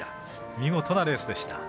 見事なレースでした。